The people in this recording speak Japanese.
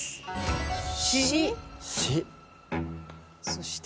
そして。